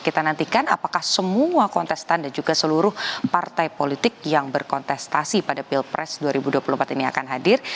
kita nantikan apakah semua kontestan dan juga seluruh partai politik yang berkontestasi pada pilpres dua ribu dua puluh empat ini akan hadir